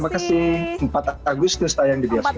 terima kasih empat agustus tayang di bioskop